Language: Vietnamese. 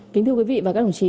kính thưa quý vị và các đồng chí